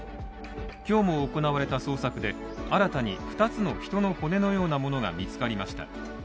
今日も行われた捜索で新たに二つの人の骨のようなものが見つかりました。